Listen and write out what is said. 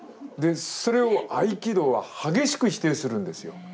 それを合気道は激しく否定するんですよ。